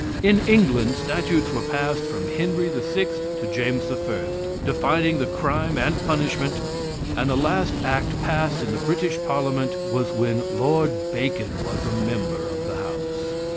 In England statutes were passed from Henry VI to James I, defining the crime and punishment, and the last act passed in the British Parliament was when Lord Bacon was a member of the house.